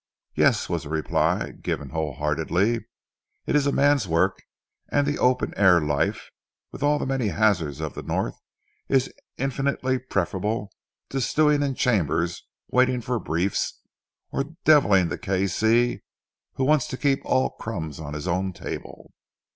"Yes," was the reply, given wholeheartedly. "It is a man's work, and the open air life, with all the many hazards of the North, is infinitely preferable to stewing in chambers waiting for briefs; or devilling the K.C. who wants to keep all the crumbs on his own table."